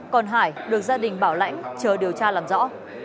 còn hải được gia đình bảo lãnh chờ điều tra làm rõ